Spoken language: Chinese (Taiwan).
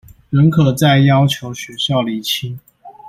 仍可再要求學校釐清